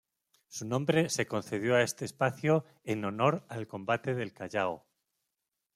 Su nombre se concedió a este espacio en honor al combate del Callao.